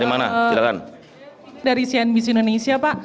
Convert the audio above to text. silahkan dari cnbc indonesia pak